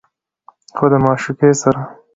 خو د معشوقې سره